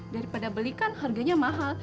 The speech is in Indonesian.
daripada belikan harganya mahal